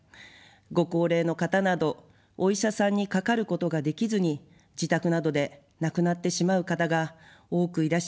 ご高齢の方など、お医者さんにかかることができずに自宅などで亡くなってしまう方が多くいらっしゃいました。